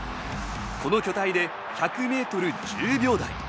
この巨体で１００メートル１０秒台。